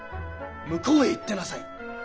向こうへ行ってなさい。